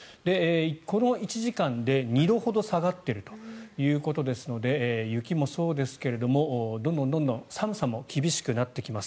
この１時間で２度ほど下がっているということですので雪もそうですけどもどんどん寒さも厳しくなってきます。